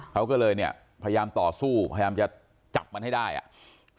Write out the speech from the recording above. เขาก็เลยเนี่ยพยายามต่อสู้พยายามจะจับมันให้ได้อ่ะ